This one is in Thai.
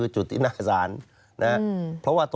จุดตินาสาร